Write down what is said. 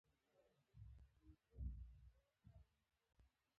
خپله نوابي اوبائلله